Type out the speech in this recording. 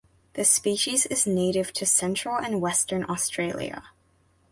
The species is native to central and western Australia.